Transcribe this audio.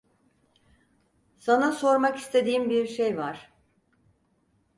Sana sormak istediğim bir şey var.